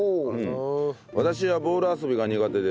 私はボール遊びが苦手です。